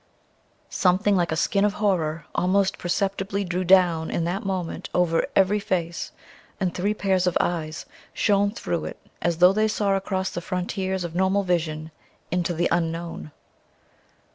Something like a skin of horror almost perceptibly drew down in that moment over every face, and three pairs of eyes shone through it as though they saw across the frontiers of normal vision into the Unknown.